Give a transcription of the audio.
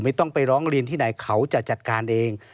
ไม่ต้องไปร้องเรียนที่ไหนเขาจะจัดการเอง